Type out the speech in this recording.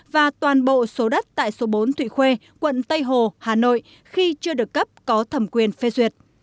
và toàn bộ số đất tại số bốn thụy khuê quận tây hồ hà nội khi chưa được cấp có thẩm quyền phê duyệt